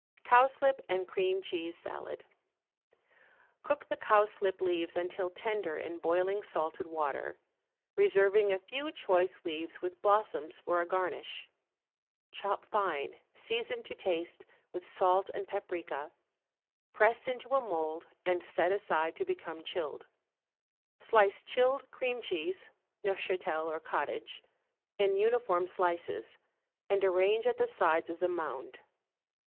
=Cowslip and Cream Cheese Salad.= (See cut facing page 58.) Cook the cowslip leaves until tender in boiling salted water, reserving a few choice leaves with blossoms for a garnish. Chop fine, season to taste with salt and paprica, press into a mould, and set aside to become chilled. Slice chilled cream cheese (Neufchatel or cottage) in uniform slices, and arrange at the sides of the mound.